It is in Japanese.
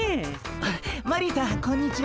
あっマリーさんこんにちは。